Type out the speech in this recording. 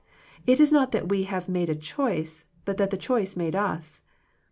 It is not that we made a choice, but that the choice made us.